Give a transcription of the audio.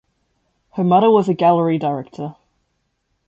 Her mother was a gallery director.